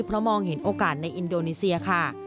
เพราะมองเห็นโอกาสในอินโดนีเซียค่ะ